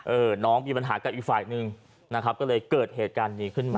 เออน้องมีปัญหากับอีกฝ่ายหนึ่งนะครับก็เลยเกิดเหตุการณ์นี้ขึ้นมา